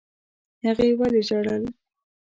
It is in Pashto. هغې ولي ژړل؟